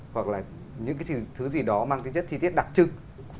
hoặc là những cái thứ gì đó mang tính chất chi tiết đặc trưng